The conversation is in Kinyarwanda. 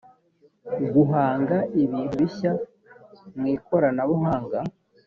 guhanga ibintu bishya mu ikoranabuhanga